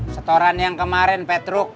setoran yang kemarin petruk